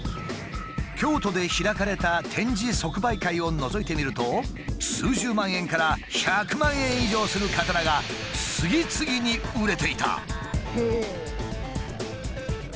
京都で開かれた展示即売会をのぞいてみると数十万円から１００万円以上する刀が次々に売れていた。